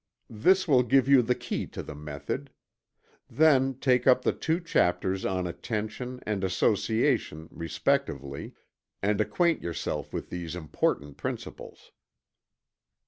This will give you the key to the method. Then take up the two chapters on attention, and association, respectively, and acquaint yourself with these important principles.